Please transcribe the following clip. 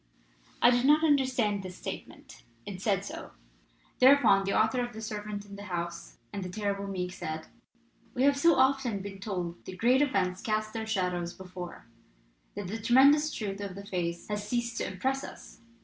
I did not understand this statement, and said so. Thereupon the author of The Servant in the House and The Terrible Meek said : "We have so often been told that great events cast their shadows before, that the tremendous truth of the phrase has ceased to impress us.